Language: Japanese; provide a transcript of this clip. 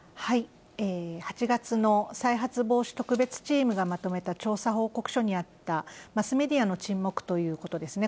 ８月の再発防止特別チームがまとめた調査報告書にあったマスメディアの沈黙ということですね。